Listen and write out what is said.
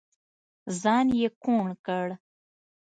ځان يې کوڼ کړ.